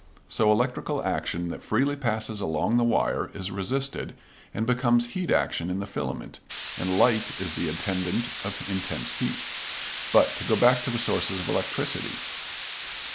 So electrical action that freely passes along the wire, is resisted and becomes heat action in the filament, and light is the attendant of intense heat. But, to go back to the sources of electricity.